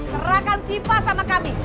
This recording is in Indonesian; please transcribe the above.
serahkan siva sama kami